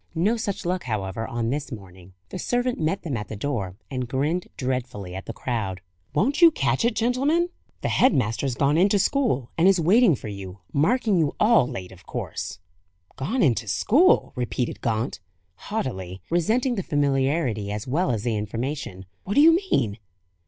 No such luck, however, on this morning. The servant met them at the door, and grinned dreadfully at the crowd. "Won't you catch it, gentlemen! The head master's gone into school, and is waiting for you; marking you all late, of course." "Gone into school!" repeated Gaunt, haughtily, resenting the familiarity, as well as the information. "What do you mean?"